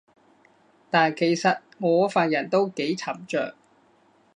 但其實我份人都幾沉着